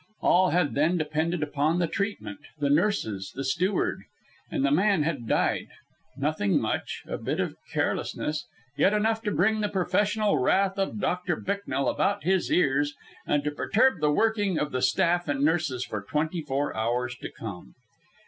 All had then depended upon the treatment, the nurses, the steward. And the man had died. Nothing much, a bit of carelessness, yet enough to bring the professional wrath of Doctor Bicknell about his ears and to perturb the working of the staff and nurses for twenty four hours to come.